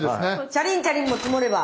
チャリンチャリンも積もれば。